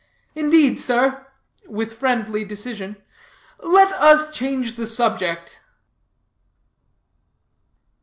Indeed, sir," with friendly decision, "let us change the subject."